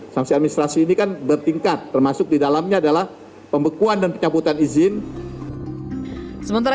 sanksi administrasi ini kan bertingkat termasuk di dalamnya adalah pembekuan dan pencabutan izin sementara